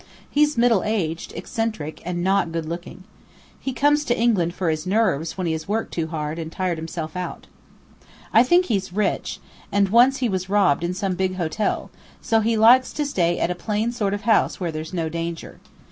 "He's middle aged, eccentric, and not good looking. He comes to England for his 'nerves' when he has worked too hard and tired himself out. I think he's rich; and once he was robbed in some big hotel, so he likes to stay at a plain sort of house where there's no danger.